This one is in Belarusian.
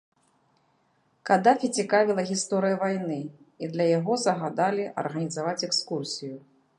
Кадафі цікавіла гісторыя вайны, і для яго загадалі арганізаваць экскурсію.